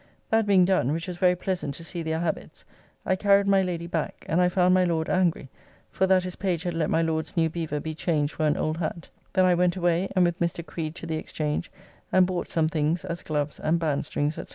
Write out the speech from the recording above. That being done (which was very pleasant to see their habits), I carried my Lady back, and I found my Lord angry, for that his page had let my Lord's new beaver be changed for an old hat; then I went away, and with Mr. Creed to the Exchange and bought some things, as gloves and bandstrings, &c.